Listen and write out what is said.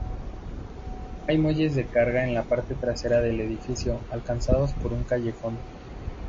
Hay muelles de carga en la parte trasera del edificio, alcanzados por un callejón.